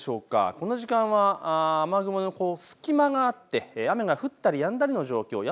この時間は雨雲の隙間があって雨が降ったりやんだりの状況。